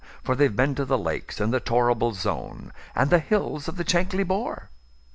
For they've been to the Lakes, and the Torrible Zone, And the hills of the Chankly Bore."